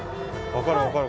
分かる分かる